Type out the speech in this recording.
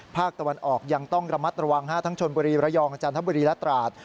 ภาคตะวันออกยังต้องระมัดระวังทั้งชนบุรีระยองจันทบุรีและตราด